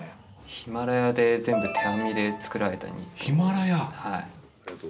ヒマラヤで全部手編みで作られたニットです。